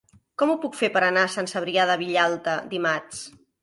Com ho puc fer per anar a Sant Cebrià de Vallalta dimarts?